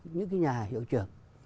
những cái nhà hiệu trưởng